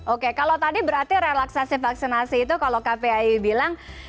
oke kalau tadi berarti relaksasi vaksinasi itu kalau kpi bilang